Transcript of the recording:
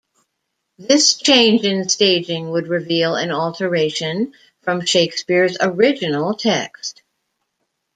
This change in staging would reveal an alteration from Shakespeare's original text.